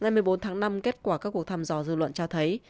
ngày một mươi bốn tháng năm kết quả các cuộc thăm dò dư luận cho thấy